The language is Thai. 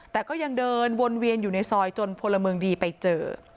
แต่ก็ยังเดินวนเวียนอยู่ในซอยจนพลเมืองดีไปเจอ